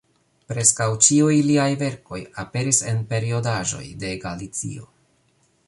Preskaŭ ĉiuj liaj verkoj aperis en periodaĵoj de Galicio.